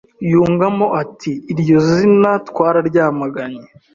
yungamo ati “Iryo zina twararyamaganye